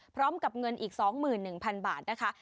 พร้อมกับเงินอีก๒๑๐๐๐บาทนะคะ